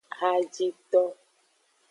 Hajito.